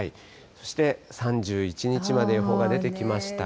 そして３１日まで予報が出てきましたが。